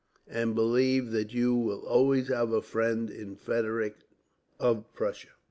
And believe that you will always have a friend in Frederick of Prussia.'